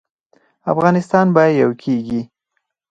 افغانستان به یو کیږي